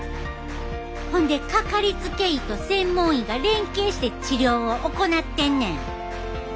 ほんでかかりつけ医と専門医が連携して治療を行ってんねん。